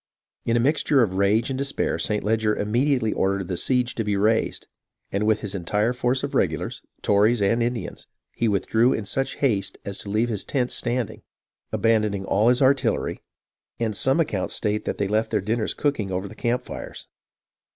In a mixture of rage and despair, St. Leger immediately 202 HISTORY OF THE AMERICAN REVOLUTION ordered the siege to be raised, and with his entire force of regulars, Tories and Indians, he withdrew in such haste as to leave his tents standing, abandoning all his artillery ; and some accounts state that they left their dinners cooking over their camp fires.